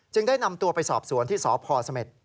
จึงได้นำตัวไปสอบสวนที่สพส